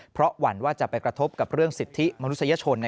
เพราะหวั่นว่าจะไปกระทบกับเรื่องสิทธิมนุษยชน